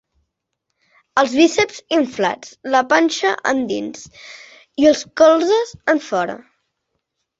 Els bíceps inflats, la panxa endins i els colzes enfora.